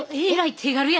手軽やな。